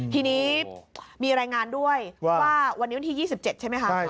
ทีนี้มีรายงานด้วยว่าวันนี้วันที่๒๗ใช่ไหมคะ